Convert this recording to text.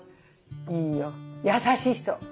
いいよ優しい人。